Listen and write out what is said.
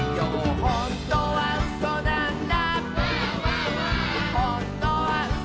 「ほんとにうそなんだ」